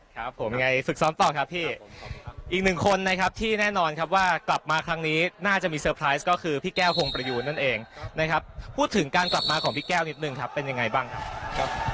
ครับผมยังไงฝึกซ้อมต่อครับพี่อีกหนึ่งคนนะครับที่แน่นอนครับว่ากลับมาครั้งนี้น่าจะมีเซอร์ไพรส์ก็คือพี่แก้วฮงประยูนนั่นเองนะครับพูดถึงการกลับมาของพี่แก้วนิดนึงครับเป็นยังไงบ้างครับ